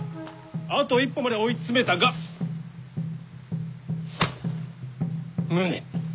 あと一歩まで追い詰めたが無念。